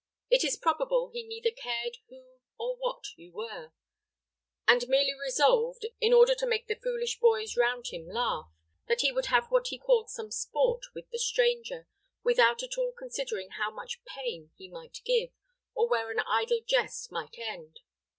It is probable he neither cared who or what you were, and merely resolved, in order to make the foolish boys round him laugh, that he would have what he called some sport with the stranger, without at all considering how much pain he might give, or where an idle jest might end.